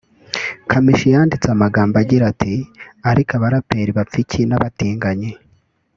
Kamichi yanditse amagambo agira ati “Ariko aba rapeurs bapfa iki n’abatinganyi